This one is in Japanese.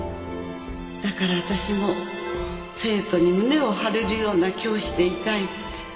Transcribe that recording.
だから私も生徒に胸を張れるような教師でいたいって。